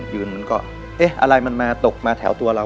อยู่มันก็เอ๊ะอะไรมันมาตกมาแถวตัวเรา